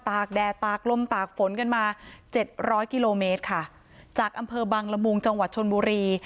กแดดตากลมตากฝนกันมาเจ็ดร้อยกิโลเมตรค่ะจากอำเภอบังละมุงจังหวัดชนบุรี